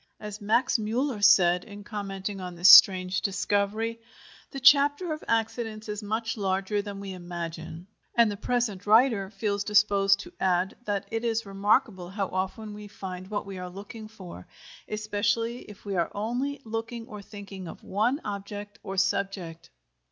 As Max Müller said, in commenting on this strange discovery: "The chapter of accidents is much larger than we imagine," and the present writer feels disposed to add that it is remarkable how often we find what we are looking for, especially if we are only looking or thinking of one object or subject.